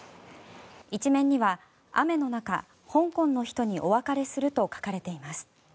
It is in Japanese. １面には雨の中、香港の人にお別れすると書かれています。